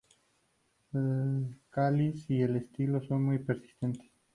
El cáliz y el estilo son muy persistentes.